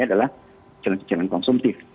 adalah cicilan cicilan konsumtif